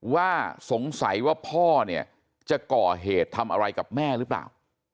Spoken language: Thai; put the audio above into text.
ว่าสงสัยว่าพ่อเนี่ยจะก่อเหตุทำอะไรกับแม่หรือเปล่า